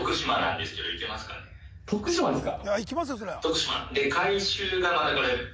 徳島ですか？